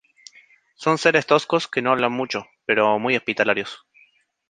Son seres toscos que no hablan mucho, pero muy hospitalarios.